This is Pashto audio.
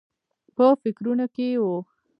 په فکرونو کې و.